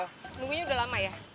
tunggu nya udah lama ya